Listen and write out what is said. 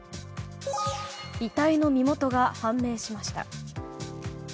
遺体の身元が判明しました。